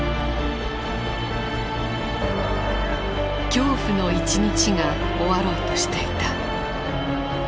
恐怖の一日が終わろうとしていた。